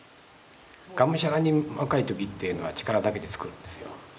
がむしゃらに若い時っていうのは力だけで作るんですよ。